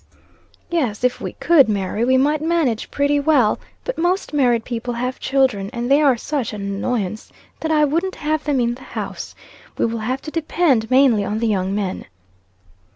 "Yes, if we could, Mary, we might manage pretty well. But most married people have children, and they are such an annoyance that I wouldn't have them in the house. We will have to depend mainly on the young men."